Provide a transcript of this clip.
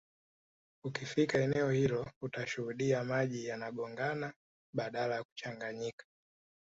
Ukifika eneo hilo utashuhudia maji yanagongana badala ya kuchanganyika